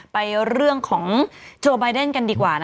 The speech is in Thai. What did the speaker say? ไปเรื่องของโจไบเดนกันดีกว่า